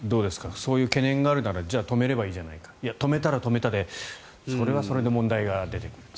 そういう懸念があるならじゃあ、止めればいいじゃないかいや、止めたら止めたでそれはそれで問題が出てくる。